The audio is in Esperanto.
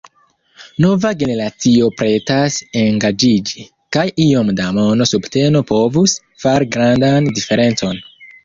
Nova generacio pretas engaĝiĝi, kaj iom da mona subteno povus fari grandan diferencon.